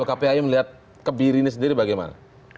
kpai melihat kebiri ini sendiri bagaimana